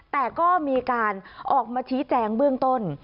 แต่ก็มีการออกมาชี้แจงเบื้องต้น